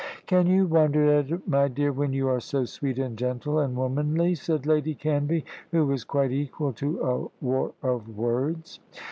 "Can you wonder at it, my dear, when you are so sweet and gentle and womanly?" said Lady Canvey, who was quite equal to a war of words.